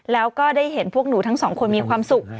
แล้วก็ได้เห็นพวกหนูทั้งสองคนมีความสุข